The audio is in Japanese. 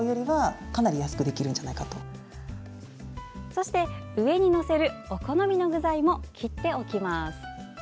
そして、上に載せるお好みの具材も切っておきます。